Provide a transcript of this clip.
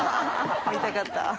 見たかった。